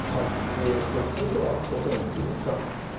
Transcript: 続いてはお天気ですか。